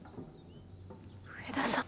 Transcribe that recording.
上田さん。